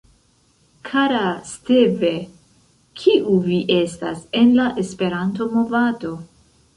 Kara Steve, kiu vi estas en la Esperanto-movado?